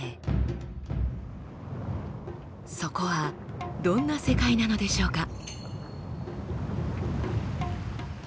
そこはどんな世界なのでしょうか？